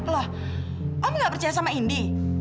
lah om gak percaya sama ndi